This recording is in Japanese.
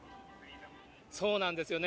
そうなんですよね。